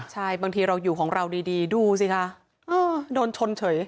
ใช่บางทีเราอยู่ของเราดีดูสิคะโดนชนเฉย